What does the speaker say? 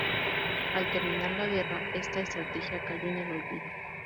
Al terminar la guerra, esta estrategia cayó en el olvido.